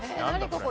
ここ。